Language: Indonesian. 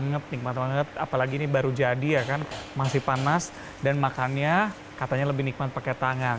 ngep nikmat banget apalagi ini baru jadi ya kan masih panas dan makannya katanya lebih nikmat pakai tangan